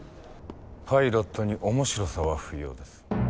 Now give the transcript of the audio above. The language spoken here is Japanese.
パイロットに面白さは不要です。